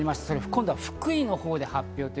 今度は福井のほうで発表。